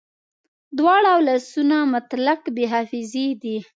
دواړه ولسونه مطلق بې حافظې دي